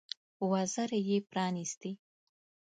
وزرې یې پرانيستې.